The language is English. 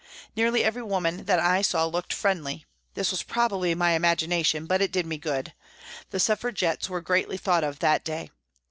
Nearly every woman that I saw looked friendly ; this was prob ably my imagination, but it did me good. The Suffragettes were greatly thought of that day.